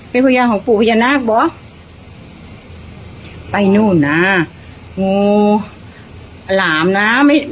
เป็นบริวารของปู่พญานาคบ่ไปนู่นน่ะงูหลามน่ะไม่ไม่